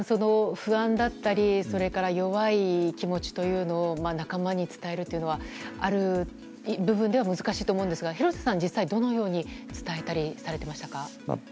不安だったりそれから弱い気持ちというのを仲間に伝えるというのはある部分では難しいと思うんですが廣瀬さんは実際にどのように伝えていましたか？